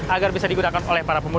agar bisa digunakan oleh para pemudik